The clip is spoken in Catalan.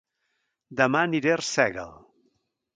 Dema aniré a Arsèguel